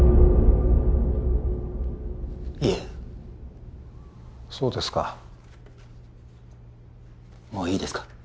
いえそうですかもういいですか？